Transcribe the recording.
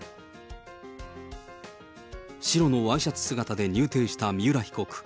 白のワイシャツ姿で入廷した三浦被告。